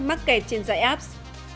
mắc kẹt trên dạy abs